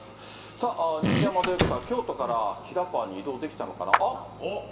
さあ、西山ディレクター、京都からひらパーに移動できたのかな？